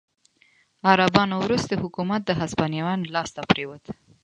عربانو وروستی حکومت د هسپانویانو لاسته پرېوت.